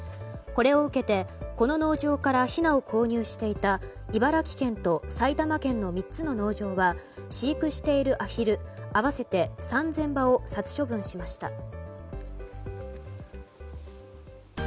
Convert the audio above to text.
これを受けて、この農場からひなを購入していた茨城県と埼玉県の３つの農場は飼育しているアヒル合わせて３０００羽を殺処分しました。